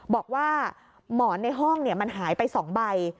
บอกว่าหมอนในห้องมันหายไป๒ใบ